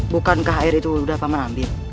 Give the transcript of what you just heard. bukankah air itu sudah paman ambil